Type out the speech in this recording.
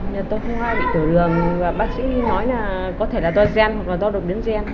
nhà tôi không ai bị tiểu đường bác sĩ nói là có thể là do gen hoặc là do độc biến gen